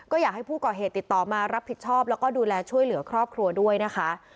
ก็อยากให้ผู้ก่อเหตุติดต่อมารับผิดชอบแล้วก็ดูแลช่วยเหลือครอบครัวด้วยนะคะ